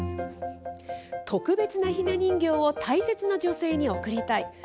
特別なひな人形を大切な女性に贈りたい。